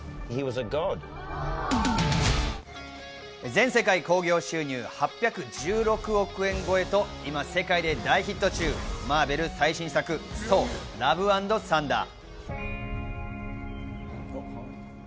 全世界興行収入８１６億円超えと、今世界で大ヒット中、マーベル最新作『ソー：ラブ＆サンダー』。